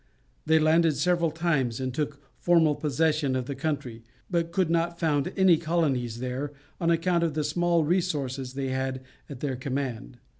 They landed several times, and took formal possession of the country, but could not found any colonies there, on account of the small resources they had at their command.